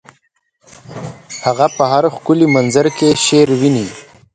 هغه په هر ښکلي منظر کې شعر ویني